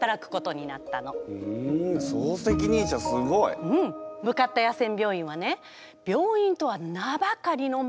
ふん総責任者すごい！向かった野戦病院はね